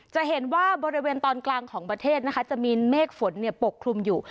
จะเห็นว่าบริเวณตอนกลางของประเทศนะคะจะมีเมฆฝนปกคลุมอยู่